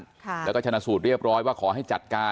แล้วก็ชนะสูตรเรียบร้อยว่าขอให้จัดการ